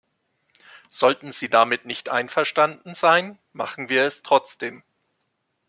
Sollten Sie damit nicht einverstanden sein, machen wir es trotzdem.